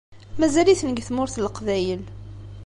Mazal-itent deg Tmurt n Leqbayel.